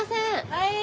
はい！